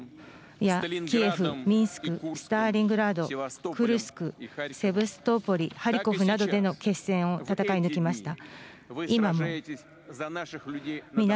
そしてモスクワ郊外のキエフ、ミンスク、スターリングラード、クルスク、セバストポリ、ハリコフなどでの決戦を戦い抜きました。